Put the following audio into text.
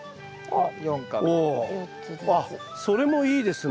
あっ！